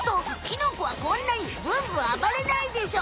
キノコはこんなにブンブンあばれないでしょ。